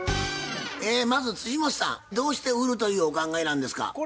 まず本さんどうして売るというお考えなんですか？